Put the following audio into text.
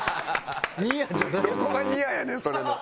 どこがニアやねんそれの。